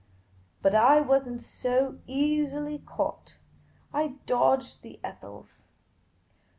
But I was n't so easily caught; I dodged the Ethels.